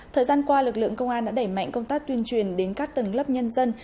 thời gian qua lực lượng công an đã đẩy mạnh công tác tuyên truyền đến các tầng lớp nhân dân